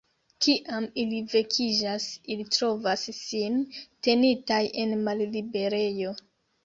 Kiam ili vekiĝas, ili trovas sin tenitaj en malliberejo.